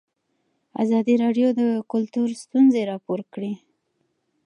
ازادي راډیو د کلتور ستونزې راپور کړي.